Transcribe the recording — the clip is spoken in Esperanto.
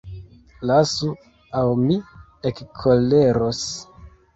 Lasu, aŭ mi ekkoleros!